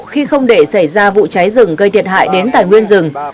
khi không để xảy ra vụ cháy rừng gây thiệt hại đến tài nguyên rừng